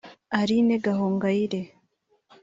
Aline Gahongayire